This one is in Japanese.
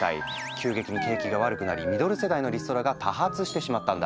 急激に景気が悪くなりミドル世代のリストラが多発してしまったんだ。